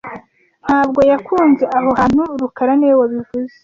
Ntabwo yakunze aho hantu rukara niwe wabivuze